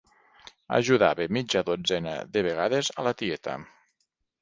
Ajudava mitja dotzena de vegades a la tieta.